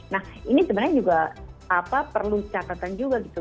nah ini sebenarnya juga perlu catatan juga gitu